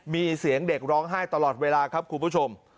มีเสียงเด็กร้องไห้ตลอดเวลาครับคุณผู้ชม